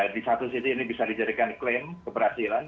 di satu sisi ini bisa dijadikan klaim keberhasilan